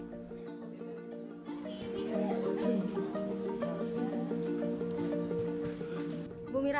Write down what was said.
tarian gugum gumbira